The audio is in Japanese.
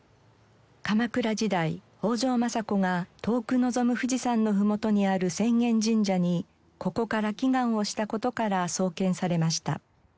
鎌倉時代北条政子が遠く望む富士山の麓にある浅間神社にここから祈願をした事から創建されました。